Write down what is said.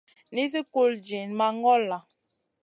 Nizi kul diyna ma ŋola.